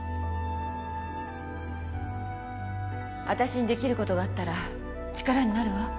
私にできる事があったら力になるわ。